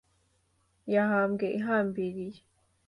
yahambwe ihambiriye